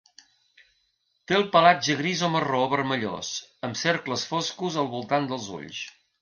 Té el pelatge gris o marró vermellós, amb cercles foscos al voltant dels ulls.